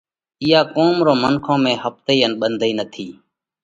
اِيئا قُوم رون منکون ۾ ۿپتئِي ان ٻنڌئِي نٿِي